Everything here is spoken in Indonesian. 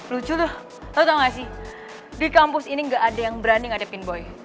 lucu tuh tau tau gak sih di kampus ini gak ada yang berani ngadepin boy